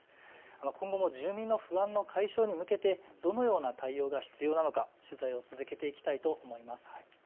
今後も住民の不安の解消に向けてどのような対応が必要なのか取材を続けていきたいと思います。